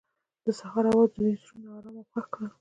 د سهار اواز د دوی زړونه ارامه او خوښ کړل.